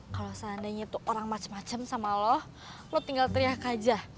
kalau seandainya itu orang macem macem sama lo lo tinggal teriak aja